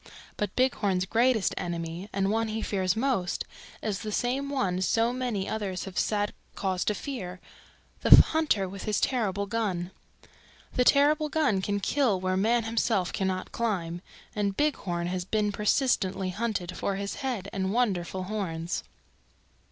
But Bighorn's greatest enemy, and one he fears most, is the same one so many others have sad cause to fear the hunter with his terrible gun. The terrible gun can kill where man himself cannot climb, and Bighorn has been persistently hunted for his head and wonderful horns.